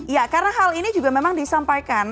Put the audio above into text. ya karena hal ini juga memang disampaikan